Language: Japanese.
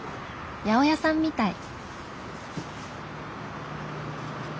八百屋さんみたい。